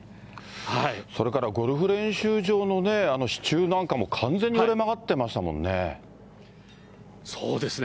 それからゴルフ練習場のね、支柱なんかも完全に折れ曲がってそうですね。